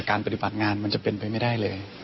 ปฏิบัติงานมันจะเป็นไปไม่ได้เลย